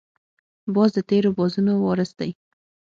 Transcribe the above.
باز د تېرو بازانو وارث دی